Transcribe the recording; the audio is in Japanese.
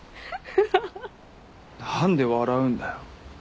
何で笑うんだよ。